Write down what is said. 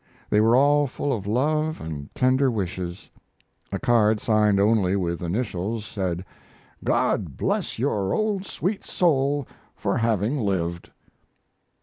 They were all full of love and tender wishes. A card signed only with initials said: "God bless your old sweet soul for having lived."